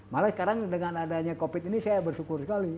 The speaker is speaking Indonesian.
malah sekarang dengan adanya covid ini saya bersyukur sekali